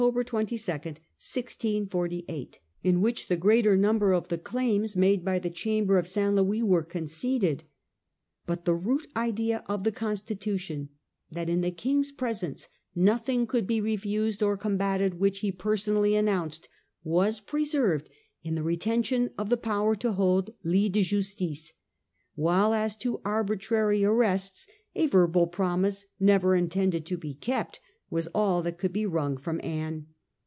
22, 1648, in which the oHDct?22° n greater number of the claims made by the 1648. Chamber of St. Louis were conceded. But the root idea of the constitution, that in the King's presence nothing could be refused or combated which he personally announced, was preserved in the retention of the power to hold /its de justice , while as to arbitrary arrests a verbal promise, never intended to be kept, was all that could be wrung from Anne.